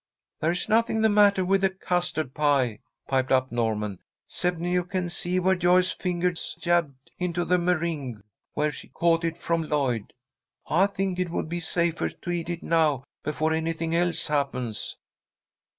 "There's nothing the matter with the custard pie," piped up Norman, "'cept'n you can see where Joyce's fingers jabbed into the meringue when she caught it from Lloyd. I think it would be safer to eat it now before anything else happens."